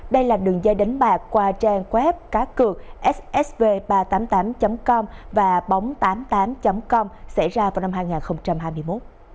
đây là đường dây đánh bạc qua trang web cá cược ssv ba trăm tám mươi tám com và bóng tám mươi tám com xảy ra vào năm hai nghìn hai mươi một